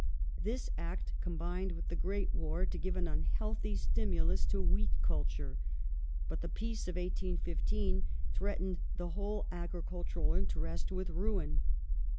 This Act combined with the great war to give an unhealthy stimulus to wheat culture, but the Peace of 1815 thi eatened the whole agricultural interest with ruin.